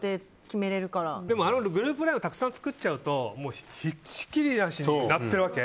でもグループＬＩＮＥをたくさん作っちゃうとひっきりなしに鳴るわけ。